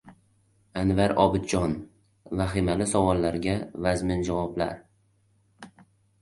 Anvar Obidjon: «vahimali savollar»ga vazmin javoblar